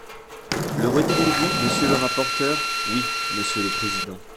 Le retirez-vous, monsieur le rapporteur ? Oui, monsieur le président.